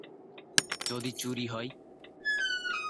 যদি চুরি হয়?’